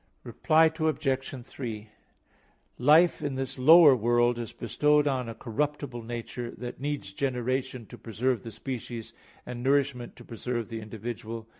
Reply Obj. 3: Life in this lower world is bestowed on a corruptible nature, that needs generation to preserve the species, and nourishment to preserve the individual.